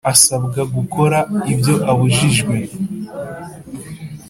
asabwa gukora ibyo abujijwe